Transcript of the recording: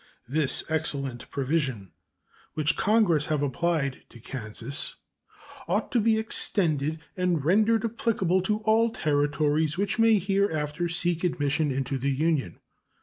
This excellent provision, which Congress have applied to Kansas, ought to be extended and rendered applicable to all Territories which may hereafter seek admission into the Union.